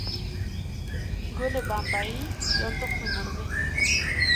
گل بمبئی یا تخم مرغی